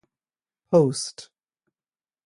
Post.